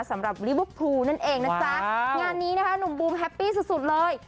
สำหรับนั่นเองนะคะว้าวงานนี้นะคะหนุ่มบูมแฮปปี้สุดเลย